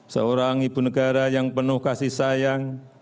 seorang ibu negara yang penuh kasih sayang